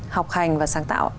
học hành và sáng tạo